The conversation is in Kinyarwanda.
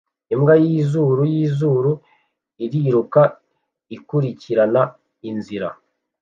Imbwa yizuru yizuru iriruka ikurikirana inzira